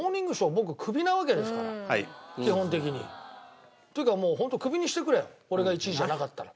僕クビなわけですから基本的に。というかもうホントクビにしてくれ俺が１位じゃなかったら。